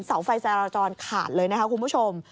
เสาไฟจราจรขาดเลยนะคะคุณผู้ชม